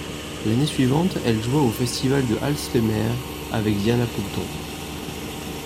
L’année suivante elle joua au festival de Haslemere avec Diana Poulton.